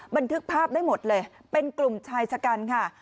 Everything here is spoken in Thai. บันทึกภาพได้หมดเลยเป็นกลุ่มชายชะกันค่ะ